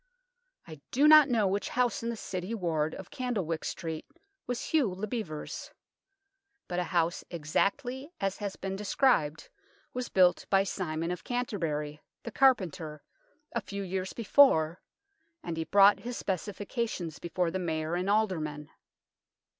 I do not know which house in the City ward of Candlewyck Street was Hugh le Bevere's. But a house exactly as has been described was built by Simon of Canterbury, the carpenter, a few years before, and he brought his specifications before the Mayor and Aldermen.